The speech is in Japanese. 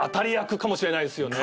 かもしれないです。